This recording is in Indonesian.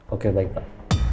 oke baik pak